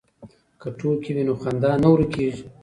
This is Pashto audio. که ټوکې وي نو خندا نه ورکېږي.